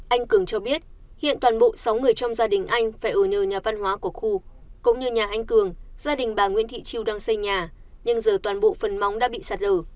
anh cường cho biết hiện toàn bộ sáu người trong gia đình anh phải ở nhờ nhà văn hóa của khu cũng như nhà anh cường gia đình bà nguyễn thị triều đang xây nhà nhưng giờ toàn bộ phần móng đã bị sạt lở